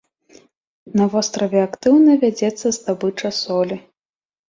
На востраве актыўна вядзецца здабыча солі.